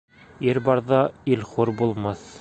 Ир барҙа ил хур булмаҫ.